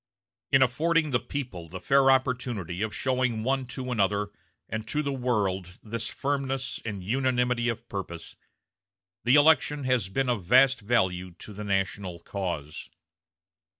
In affording the people the fair opportunity of showing one to another and to the world this firmness and unanimity of purpose, the election has been of vast value to the national cause."